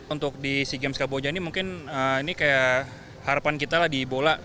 untuk di sea games kamboja ini mungkin ini kayak harapan kita lah di bola